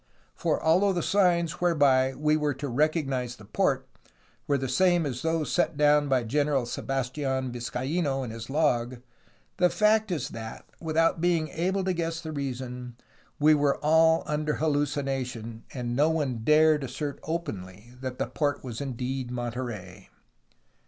For, although the signs whereby we were to recog nize the port were the same as those set down by General Sebas tian Vizcaino in his log, the fact is that, without being able to guess the reason, we were all under hallucination, and no one dared assert openly that the port was indeed Monterey.